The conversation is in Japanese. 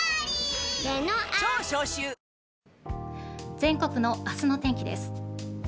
全国の明日の天気です。